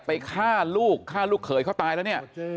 ฆ่าลูกฆ่าลูกเขยเขาตายแล้วเนี่ย